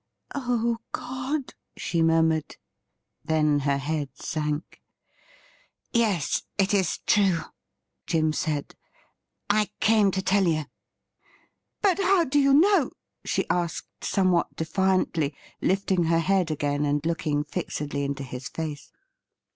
' Oh God !' she murmured ; then her head sank. ' Yes, it is true,' Jim said. ' I came to tell you.' ' But how do you know T she asked, somewhat defiantly, lifting her head again, and looking fixedly into his face.